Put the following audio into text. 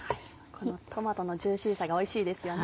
このトマトのジューシーさがおいしいですよね。